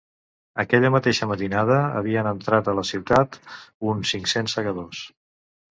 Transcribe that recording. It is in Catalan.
Aquella mateixa matinada havien entrat a la ciutat uns cinc-cents segadors.